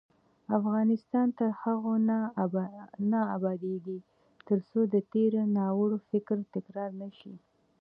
افغانستان تر هغو نه ابادیږي، ترڅو د تیر ناوړه فکر تکرار نشي.